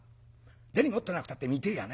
銭持ってなくたって見てえやね。